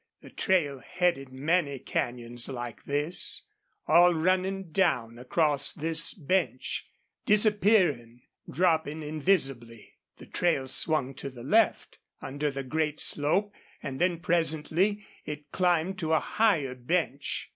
The trail headed many canyons like this, all running down across this bench, disappearing, dropping invisibly. The trail swung to the left under the great slope, and then presently it climbed to a higher bench.